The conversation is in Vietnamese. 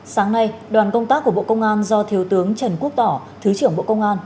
sáng nay đoàn công tác của bộ công an do thiếu tướng trần quốc tỏ thứ trưởng bộ công an